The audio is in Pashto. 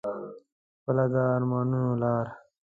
خپله د ارمانونو لار